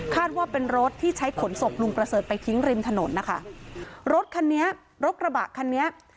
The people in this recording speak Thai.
ว่าเป็นรถที่ใช้ขนศพลุงประเสริฐไปทิ้งริมถนนนะคะรถคันนี้รถกระบะคันนี้